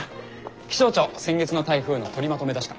気象庁先月の台風の取りまとめ出した。